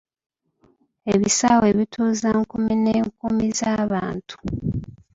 Ebisaawe bituuza nkumi n'enkumi z'abantu.